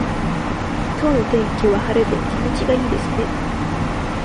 今日の天気は晴れで気持ちがいいですね。